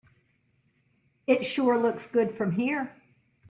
It sure looks good from here.